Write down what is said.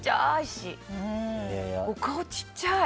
お顔ちっちゃい！